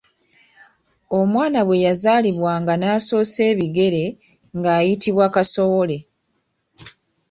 Omwana bwe yazaalibwanga n’asoosa ebigere ng’ayitibwa kasowole.